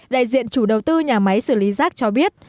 đại diện chủ đầu tư nhà máy xử lý rác cho biết